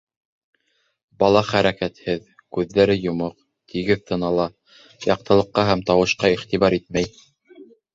Бала хәрәкәтһеҙ, күҙҙәре йомоҡ, тигеҙ тын ала, яҡтылыҡҡа һәм тауышҡа иғтибар итмәй.